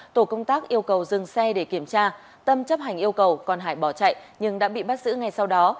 tổ công tác yêu cầu dừng xe để kiểm tra tâm chấp hành yêu cầu còn hải bỏ chạy nhưng đã bị bắt giữ ngay sau đó